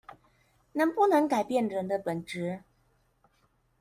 能不能改變人的本質